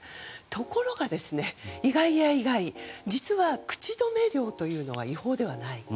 ところが、意外や意外実は口止め料というのは違法ではない。